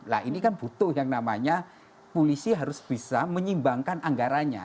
nah ini kan butuh yang namanya polisi harus bisa menyimbangkan anggaranya